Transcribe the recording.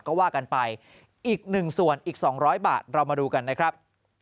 ก็ว่ากันไปอีกหนึ่งส่วนอีก๒๐๐บาทเรามาดูกันนะครับ